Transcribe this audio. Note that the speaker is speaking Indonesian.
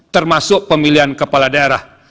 termasuk pemilihan kepala daerah